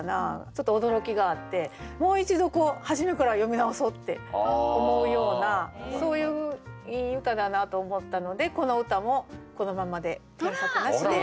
ちょっと驚きがあってもう一度初めから読み直そうって思うようなそういういい歌だなと思ったのでこの歌もこのまんまで添削なしで。